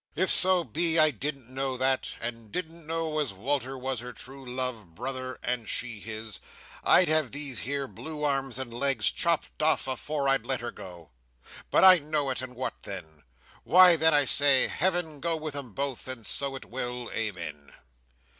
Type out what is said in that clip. If so be I didn't know that, and didn't know as Wal"r was her true love, brother, and she his, I'd have these here blue arms and legs chopped off, afore I'd let her go. But I know it, and what then! Why, then, I say, Heaven go with 'em both, and so it will! Amen!"